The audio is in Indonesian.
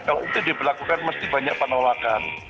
kalau itu diberlakukan mesti banyak penolakan